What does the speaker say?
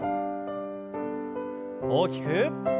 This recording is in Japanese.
大きく。